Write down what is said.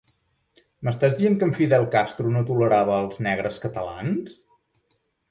M'estàs dient que Fidel Castro no tolerava els negres catalans?